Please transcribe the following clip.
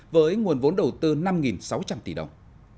với nguồn vốn đầu tư năm sáu trăm linh tỷ đồng